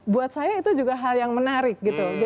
buat saya itu juga hal yang menarik gitu